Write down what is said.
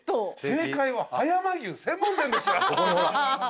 正解は葉山牛専門店でした。